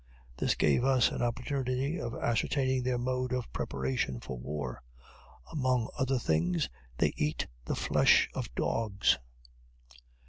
This gave us an opportunity of ascertaining their mode of preparation for war. Among other things, they eat the flesh of dogs.